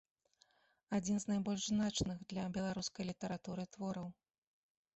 Адзін з найбольш значных для беларускай літаратуры твораў.